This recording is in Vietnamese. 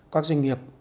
các doanh nghiệp